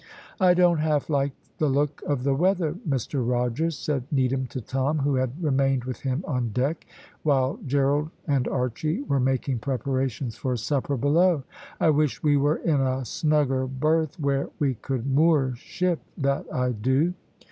"I don't half like the look of the weather, Mr Rogers," said Needham to Tom, who had remained with him on deck, while Gerald and Archy were making preparations for supper below. "I wish we were in a snugger berth, where we could moor ship that I do."